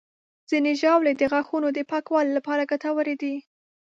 ځینې ژاولې د غاښونو د پاکوالي لپاره ګټورې دي.